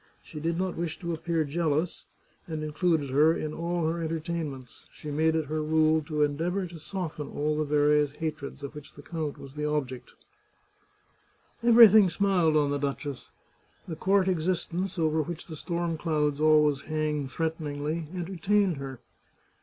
She did not wish to appear jealous, and included her in all her entertainments. She made it her rule to endeavour to soften all the various hatreds of which the count was the object. 120 The Chartreuse of Parma Everything smiled on the duchess. The court exis tence, over which the storm cloud always hangs threaten ingly, entertained her.